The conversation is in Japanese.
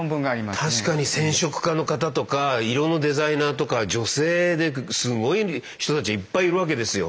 確かに染織家の方とか色のデザイナーとか女性ですごい人たちいっぱいいるわけですよ。